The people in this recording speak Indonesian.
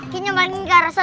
kita nyembalin ke arah sana